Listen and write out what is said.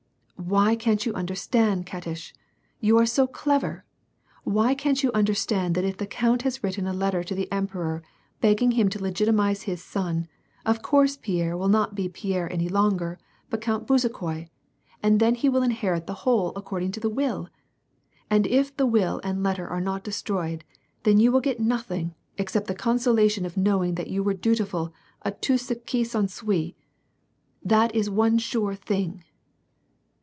" Why can't you understand, Katish ! You are so clever ! Why can't you understand that if the count has written a let ter to the emperor begging him to legitimatize his son, of course Pierre will not be Pierre any longer, but Count Bezukhoi, and then he will inherit the whole according to the will ? And if the will and the letter are not destroyed, then you will get nothing except the consolation of knowing that you were duti ful et tout ce qui s^en suit! That is one sure thing